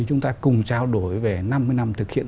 chúng ta cùng trao đổi về năm mươi năm thực hiện